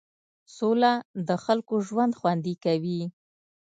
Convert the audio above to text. سوله د خلکو ژوند خوندي کوي.